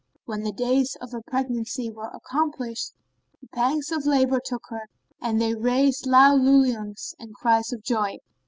When the days of her pregnancy were accomplished, the pangs of labour took her and they raised loud lullilooings and cries of joy.